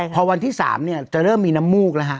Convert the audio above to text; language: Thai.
พอวันที่๓เนี่ยจะเริ่มมีน้ำมูกแล้วฮะ